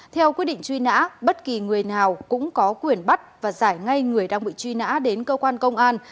theo quyết định truy nã bất kỳ người nào cũng có quyền bắt và giải ngay người đang bị truy nã đến cơ quan công an